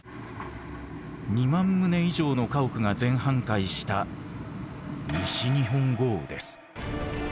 ２万棟以上の家屋が全半壊した西日本豪雨です。